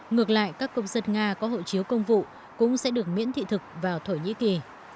ngược lại các công dân nga có hộ chiếu công vụ cũng sẽ được miễn thị thực vào thổ nhĩ kỳ